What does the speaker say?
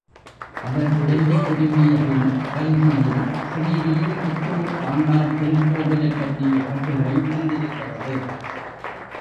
அவர் டெல்லி திரும்பியபின் கல்கியில் ஸ்ரீ வில்லிபுத்தூர் ஆண்டாள் திருக்கோவிலைப் பற்றிய கட்டுரை வந்திருக்கிறது.